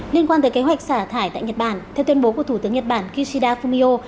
liên quan tới kế hoạch xả thải tại nhật bản theo tuyên bố của thủ tướng nhật bản kishida fumio